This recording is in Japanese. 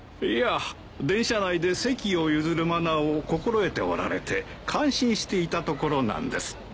いや電車内で席を譲るマナーを心得ておられて感心していたところなんです。